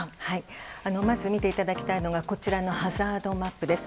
まず見ていただきたいのがこちらのハザードマップです。